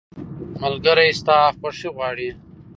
ملګری ستا خوښي غواړي.